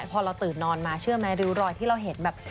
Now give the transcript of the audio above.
พอเราตื่นนอนมาเชื่อไหมริ้วรอยที่เราเห็นแบบ